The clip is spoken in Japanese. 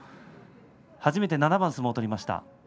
初めて７番相撲を取りました。